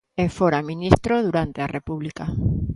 E fora ministro, durante a República.